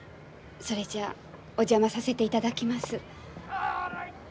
それじゃお邪魔させていただきます。